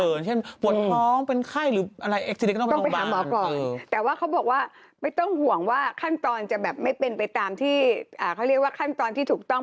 ได้ที่ร้านยาประจำต้องไปหาหมอก่อนแต่ว่าเขาบอกว่าไม่ต้องห่วงว่าขั้นตอนจะแบบไม่เป็นไปตามที่เขาเรียกว่าขั้นตอนที่ถูกต้อง